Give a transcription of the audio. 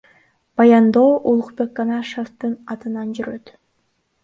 Баяндоо Улукбек Канашевдин атынан жүрөт.